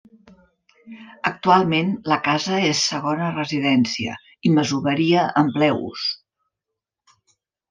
Actualment la casa és segona residència i masoveria en ple ús.